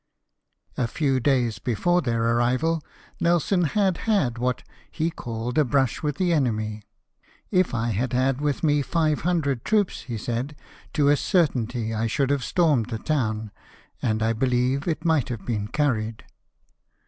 A few days before their arrival Nelson had had what he called a brush with the enemy. "If I had had with me five hundred troops," he said, " to a certainty I should have stormed the town; and I believe it might have been carried.